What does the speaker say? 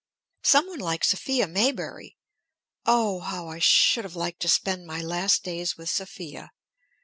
Some one like Sophia Maybury. Oh! how I should have liked to spend my last days with Sophia!